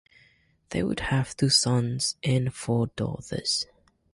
They would have two sons and four daughters.